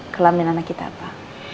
kelamin anak kita apa